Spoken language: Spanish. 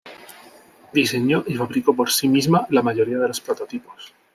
Diseñó y fabricó por sí misma la mayoría de los prototipos.